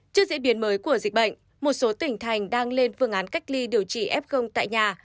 trước diễn biến mới của dịch bệnh một số tỉnh thành đang lên phương án cách ly